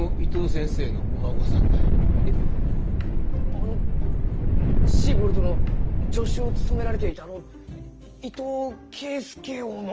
あのシーボルトの助手を務められていたあの伊藤圭介翁の？